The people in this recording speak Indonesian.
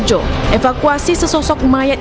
yang berada di dalam sumur sedalam dua belas meter